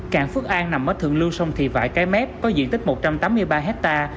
cảng phước an nằm ở thượng lưu sông thị vải cái mép có diện tích một trăm tám mươi ba hectare